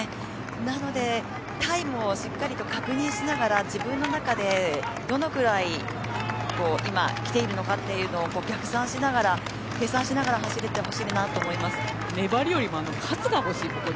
なのでタイムをしっかりと確認しながら自分の中でどのぐらい今、来ているのかというのを逆算しながら、計算しながら走れてほしいなと粘りよりも活が欲しい、ここに。